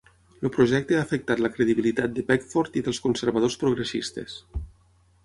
El projecte ha afectat la credibilitat de Peckford i dels conservadors progressistes.